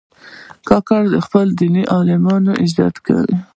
کاکړ د دیني عالمانو عزت کوي.